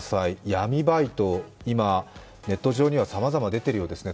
闇バイト、今ネット上にはさまざま出ているようですね。